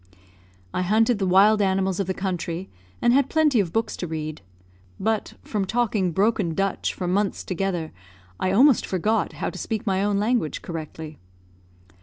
I hunted the wild animals of the country, and had plenty of books to read; but, from talking broken Dutch for months together, I almost forgot how to speak my own language correctly.